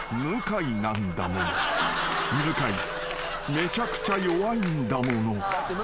めちゃくちゃ弱いんだもの］